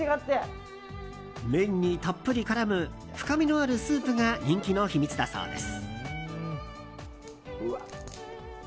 麺にたっぷり絡む深みのあるスープが人気の秘密だそうです。